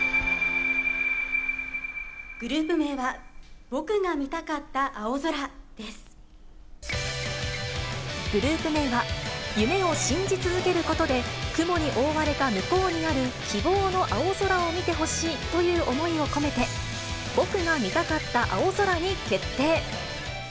グループ名は、グループ名は、夢を信じ続けることで雲に覆われた向こうにある希望の青空を見てほしいという思いを込めて、僕が見たかった青空に決定。